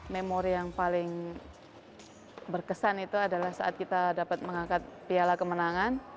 memori yang paling berkesan itu adalah saat kita dapat mengangkat piala kemenangan